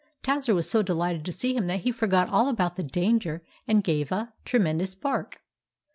Towser was so delighted to see him that he forgot all about the danger, and gave a tremendous bark.